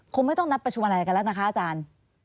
คงไม่ต้องนัดประชุมอะไรกันแล้วนะคะอาจารย์